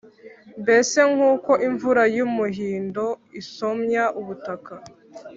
mbese nk’uko imvura y’umuhindo isomya ubutaka.»